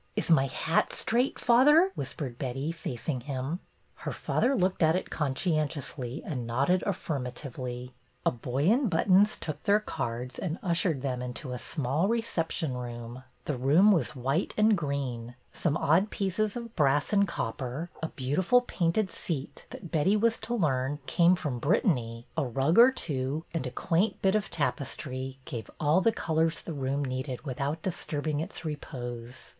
'' Is my hat straight, father ?" whispered Betty, facing him. Her father looked at it conscientiously and nodded affirmatively. A boy in buttons took their cards and ushered them into a small reception room. 278 BETTY BAIRD'S VENTURES The room was white and green. Some odd pieces of brass and copper, a beautiful painted seat that, Betty was to learn, came from Brit tany, a rug or two, and a quaint bit of tap estry, gave all the colors the room needed without disturbing its repose.